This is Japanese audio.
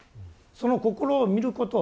その心を見ること